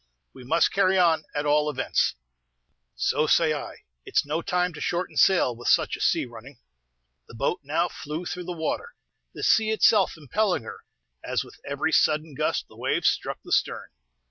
We must carry on, at all events." "So say I. It's no time to shorten sail, with such a sea running." The boat now flew through the water, the sea itself impelling her, as with every sudden gust the waves struck the stern.